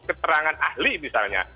keterangan ahli misalnya